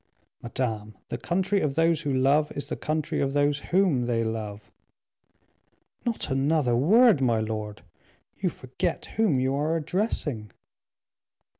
"Madame, the country of those who love is the country of those whom they love." "Not another word, my lord; you forget whom you are addressing."